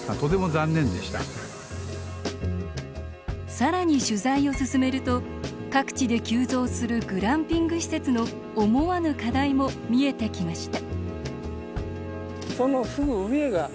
さらに取材を進めると各地で急増するグランピング施設の思わぬ課題も見えてきました。